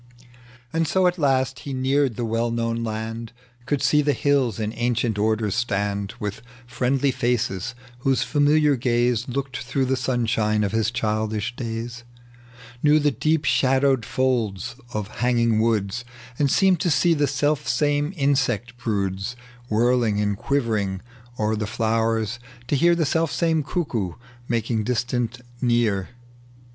And so at last he neared the well known land, Could see the hills in ancient order stand With friendly faces whose faroiiiar gaze Looked through the sunshine of his childish days ; Knew the deep shadowed folds of hanging woods, And seemed to see the selfsame insect broods Whirling and quivering o'er the flowers — to hear The selfsame cuckoo making distance near.